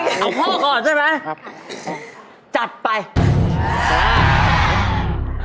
เอาพ่อก่อนใช่ไหมจัดไปครับ